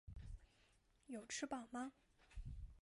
有吃饱吗？